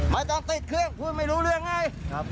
ไม่ต้องติดเครื่องพูดไม่รู้เรื่องไง